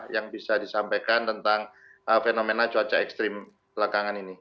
yang bisa disampaikan tentang fenomena cuaca ekstrim belakangan ini